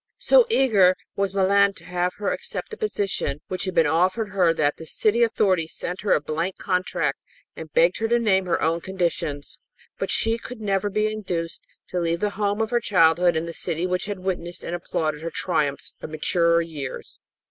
So eager was Milan to have her accept a position which had been offered her that the city authorities sent her a blank contract and begged her to name her own conditions. But she could never be induced to leave the home of her childhood and the city which had witnessed and applauded her triumphs of maturer years.